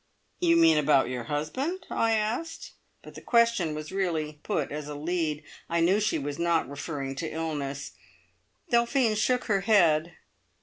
"You mean about your husband?" I asked, but the question was really put as a lead; I knew she was not referring to illness. Delphine shook her head.